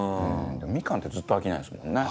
ミカンってずっと飽きないですもんね。